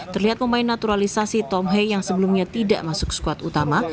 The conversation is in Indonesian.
terlihat pemain naturalisasi tom hei yang sebelumnya tidak masuk skuad utama